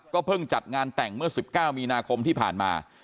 เพิ่งจัดงานแต่งเมื่อ๑๙มีนาคมที่ผ่านมา